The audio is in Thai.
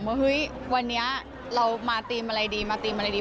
ว่าเฮ้ยวันนี้เรามาทีมอะไรดี